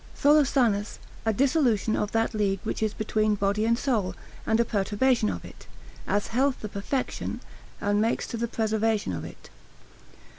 Tholosanus, a dissolution of that league which is between body and soul, and a perturbation of it; as health the perfection, and makes to the preservation of it.